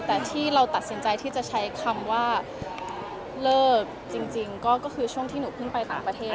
แต่ที่เราตัดสินใจที่จะใช้คำว่าเลิกจริงก็คือช่วงที่หนูเพิ่งไปต่างประเทศ